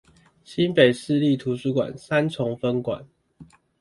新北市立圖書館三重分館